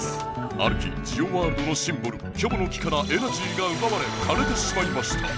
ある日ジオワールドのシンボルキョボの木からエナジーがうばわれかれてしまいました。